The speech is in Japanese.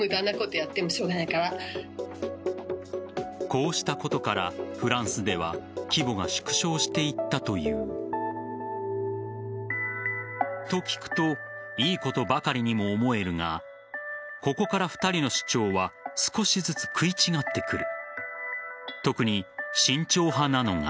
こうしたことからフランスでは規模が縮小していったという。と聞くと良いことばかりにも思えるがここから２人の主張は少しずつ食い違ってくる。